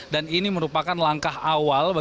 dan ini merupakan langkah awal